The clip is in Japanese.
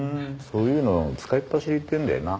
そういうの使いっぱしりっていうんだよな。